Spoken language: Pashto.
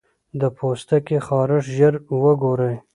د پوستکي خارښت ژر وګورئ.